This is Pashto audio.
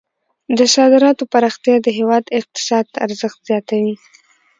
د صادراتو پراختیا د هیواد اقتصاد ته ارزښت زیاتوي.